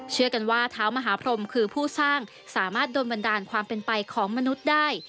เชื่อกันว่าเท้ามหาพรมคือผู้สร้างสามารถโดนบันดาลความเป็นไปของมนุษย์ได้